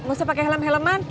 gak usah pake helm helman